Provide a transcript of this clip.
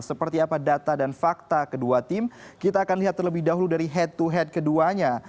seperti apa data dan fakta kedua tim kita akan lihat terlebih dahulu dari head to head keduanya